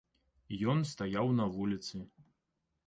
Ён стаяў на вуліцы.